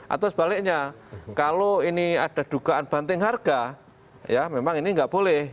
atau sebaliknya kalau ini ada dugaan banting harga ya memang ini nggak boleh